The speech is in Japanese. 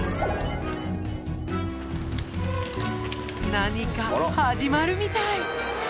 何か始まるみたい。